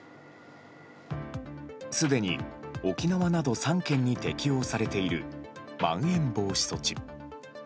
すでに沖縄など３県に適用されているまん延防止措置。